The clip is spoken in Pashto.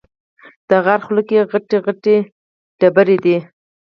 د غار خوله کې غټې غټې تیږې دي.